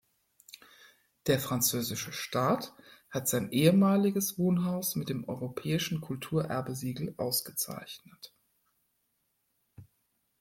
Der französische Staat hat sein ehemaliges Wohnhaus mit dem Europäischen Kulturerbe-Siegel ausgezeichnet.